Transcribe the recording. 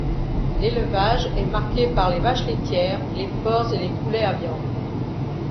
L'élevage est marqué par les vaches laitières, les porcs et les poulets à viande.